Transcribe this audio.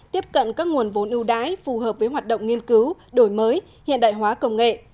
tiếp cận các nguồn vốn ưu đãi phù hợp với hoạt động nghiên cứu đổi mới hiện đại hóa công nghệ